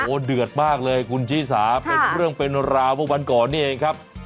โอ้โหเดือดมากเลยคุณชีสาเป็นเรื่องเป็นราวเมื่อวันก่อนนี่เองครับ